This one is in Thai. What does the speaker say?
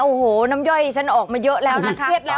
โอ้โหน้ำย่อยฉันออกมาเยอะแล้วนะคะ